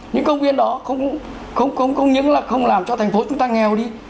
những công viên đó không những là không làm cho thành phố chúng ta nghèo đi